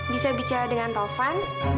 bisa bicara dengan taufan